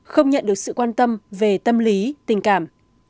không nhận được sự quan tâm về tâm lý tình cảm